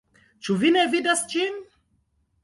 Ĉu vi ne vidas ĝin?